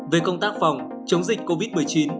về công tác phòng chống dịch covid một mươi chín